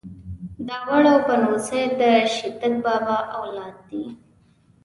داوړ او بنوڅي ده شيتک بابا اولاد دې.